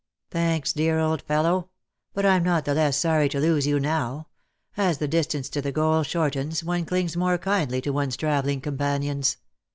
" Thanks, dear old fellow ! But I'm not the less sorry to lose you now. As the distance to the goal shortens, one clings more kindly to one's travelling companions.